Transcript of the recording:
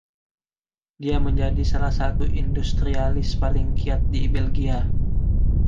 Dia menjadi salah satu industrialis paling kiat di Belgia.